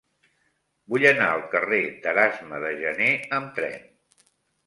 Vull anar al carrer d'Erasme de Janer amb tren.